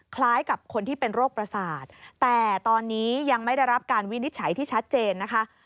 คล้ายกับคนที่เป็นโรคประสาทแต่ตอนนี้ยังไม่ได้รับการวินิจฉัยที่ชัดเจนนะคะ